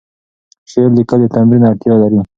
شعر لیکل د تمرین اړتیا لري.